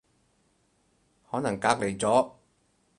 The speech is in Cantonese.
可能隔離咗